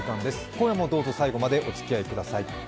今夜もどうぞ最後までお付き合いください。